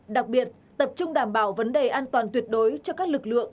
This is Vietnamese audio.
đặc biệt tập trung đảm bảo vấn đề an toàn tuyệt đối cho các lực lượng